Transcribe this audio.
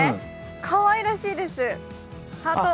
かわいらしいです。